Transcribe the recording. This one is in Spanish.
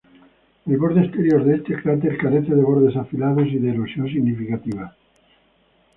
El borde exterior de este cráter carece de bordes afilados y de erosión significativa.